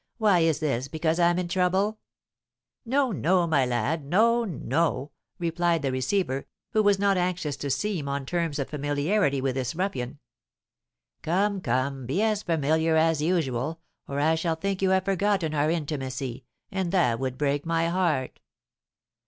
"Why is this, because I'm in trouble?" "No, no, my lad, no, no!" replied the receiver, who was not anxious to seem on terms of familiarity with this ruffian. "Come, come, be as familiar as usual, or I shall think you have forgotten our intimacy, and that would break my heart."